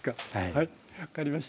はい分かりました。